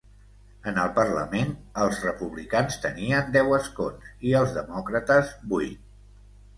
En el parlament, els republicans tenien deu escons i els demòcrates, vuit.